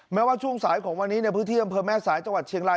แม้ว่าช่วงสายของวันนี้ในพื้นที่อำเภอแม่สายจังหวัดเชียงราย